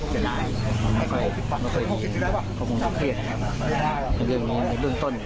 มันไม่เคยมีข้อมูลประเภทในเรื่องนี้ในรุ่นต้น